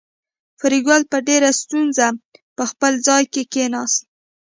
فریدګل په ډېره ستونزه په خپل ځای کې کېناست